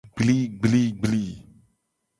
Gbligbligbli.